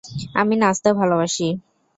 আমি নাচতে ভালোবাসি।